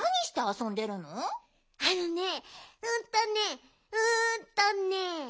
あのねうんとねうんとね。